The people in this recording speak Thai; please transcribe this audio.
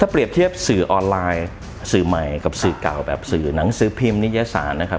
เปรียบเทียบสื่อออนไลน์สื่อใหม่กับสื่อเก่าแบบสื่อหนังสือพิมพ์นิยสารนะครับ